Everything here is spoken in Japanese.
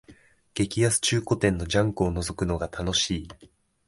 激安中古店のジャンクをのぞくのが楽しい